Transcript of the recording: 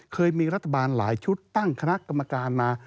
เคยมีรัฐบาลหลายชุดตั้งคณะกรรมการมา